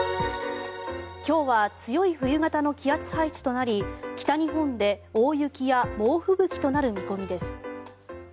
今日は強い冬型の気圧配置となり北日本で大雪や猛吹雪となる見込みです。